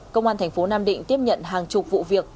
công an tp nam định tiếp nhận hàng chục vụ việc